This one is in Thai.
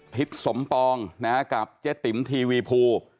ทิศสมปองกับเจ๊ติ๋มทีวีภู